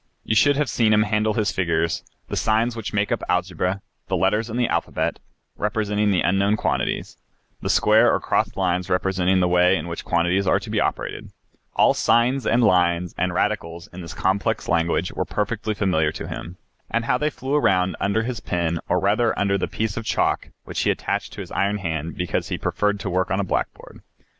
You should have seen him handle his figures, the signs which make up algebra, the letters in the alphabet, representing the unknown quantities, the square or crossed lines representing the way in which quantities are to be operated. All signs and lines, and radicals used in this complex language were perfectly familiar to him. And how they flew around under his pen, or rather under the piece of chalk which he attached to his iron hand, because he preferred to work on a blackboard.